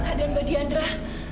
kadaan mbak diandra